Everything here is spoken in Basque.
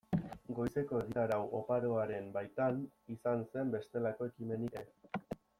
Goizeko egitarau oparoaren baitan, izan zen bestelako ekimenik ere.